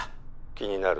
☎気になる？